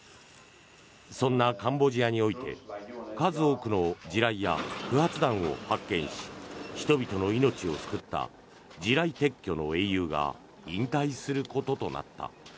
そんなカンボジアにおいて数多くの地雷や不発弾を発見し人々の命を救った地雷撤去の英雄が引退することとなった。